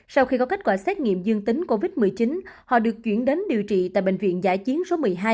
sau khi có kết quả xét nghiệm dương tính covid một mươi chín họ được chuyển đến điều trị tại bệnh viện giã chiến số một mươi hai